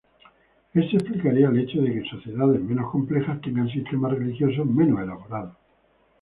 Esto explicaría el hecho de que sociedades menos complejas tengan sistemas religiosos menos elaborados.